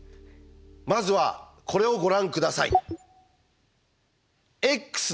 まずはこれをご覧下さい。